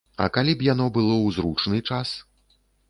А калі б яно было ў зручны час?